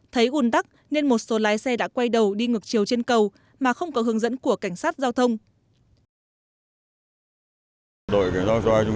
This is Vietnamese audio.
thấy ùn tắc nên một số lái xe đã quay đầu đi ngược chiều trên cầu mà không có hướng dẫn của cảnh sát giao thông